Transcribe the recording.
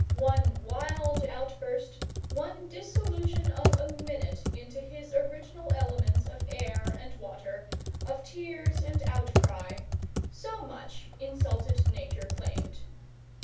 One wild outburst one dissolution of a minute into his original elements of air and water, of tears and outcry so much insulted nature claimed.